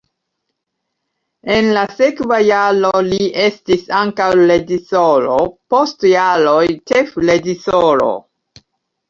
En la sekva jaro li estis ankaŭ reĝisoro, post jaroj ĉefreĝisoro.